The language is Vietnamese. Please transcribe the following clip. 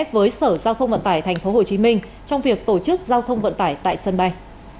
với sở giao thông vận tải tp hcm trong việc tổ chức giao thông vận tải tại sân bay